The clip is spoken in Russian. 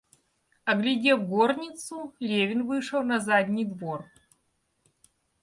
Оглядев горницу, Левин вышел на задний двор.